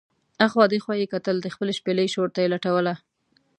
اخوا دې خوا یې کتل، د خپلې شپېلۍ شور ته یې لټوله.